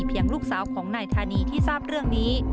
ลูกสาวของนายธานีที่ทราบเรื่องนี้